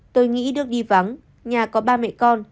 tôi nghĩ được đi vắng nhà có ba mẹ con